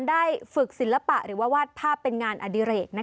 ได้ฝึกศิลปะหรือว่าวาดภาพเป็นงานอดิเรก